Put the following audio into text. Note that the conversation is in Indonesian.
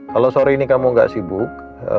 kalau sore ini kamu gak sibuk